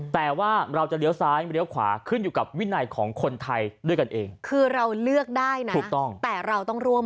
แต่ว่าเราจะเลี้ยวซ้ายเลี้ยวขวาขึ้นอยู่กับวินัยของคนไทยด้วยกันเอง